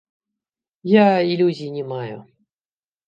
Я ілюзій не маю.